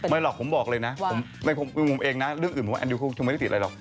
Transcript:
หรอกผมบอกเลยนะในมุมเองนะเรื่องอื่นผมว่าแอนดิวเขาคงไม่ได้ติดอะไรหรอก